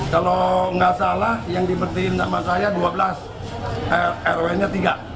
kalau nggak salah yang dimentiin sama saya dua belas rw nya tiga